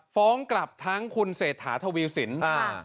ฟ้องกลับทั้งคุณเศรษฐาถวิวศิลป์